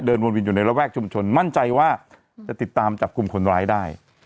วนวินอยู่ในระแวกชุมชนมั่นใจว่าจะติดตามจับกลุ่มคนร้ายได้